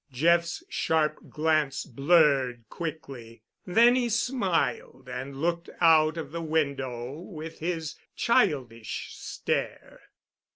Jeff's sharp glance blurred quickly. Then he smiled and looked out of the window with his childish stare.